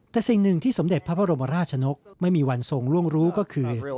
แต่สิ่งหนึ่งที่สมเด็จพระบรมราชนกไม่มีวันทรงล่วงรู้ก็คือ